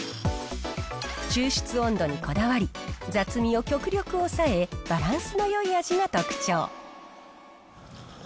抽出温度にこだわり、雑味を極力抑えバランスのよい味が特徴。